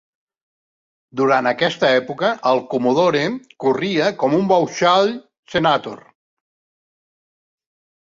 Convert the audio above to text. Durant aquesta època, el Commodore corria com un Vauxhall Senator.